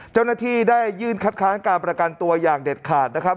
เจ้าหน้าที่ได้ยื่นคัดค้านการประกันตัวอย่างเด็ดขาดนะครับ